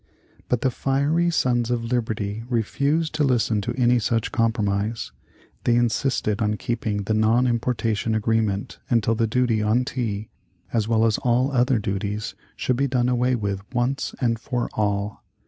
But the fiery Sons of Liberty refused to listen to any such compromise. They insisted on keeping the non importation agreement until the duty on tea, as well as all other duties, should be done away with once and for all.